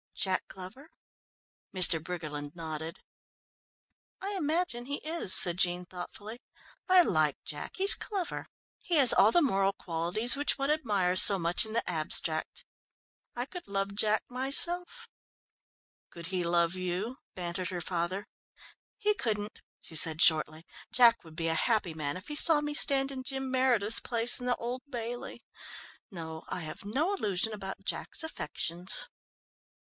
"Jack Glover?" Mr. Briggerland nodded. "I imagine he is," said Jean thoughtfully. "I like Jack he's clever. He has all the moral qualities which one admires so much in the abstract. I could love Jack myself." "Could he love you?" bantered her father. "He couldn't," she said shortly. "Jack would be a happy man if he saw me stand in Jim Meredith's place in the Old Bailey. No, I have no illusion about Jack's affections."